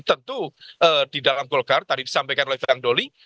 tentu di dalam golkar tadi disampaikan oleh bang doli